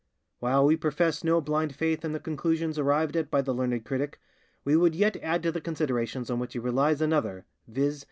'" While we profess no blind faith in the conclusions arrived at by the learned critic, we would yet add to the considerations on which he relies another, viz.